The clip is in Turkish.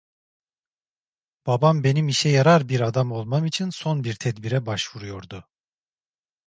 Babam benim işe yarar bir adam olmam için son bir tedbire başvuruyordu.